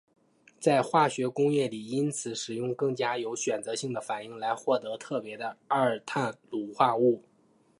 在化学工业里因此使用更加有选择性的反应来获得特别的二碳卤化物。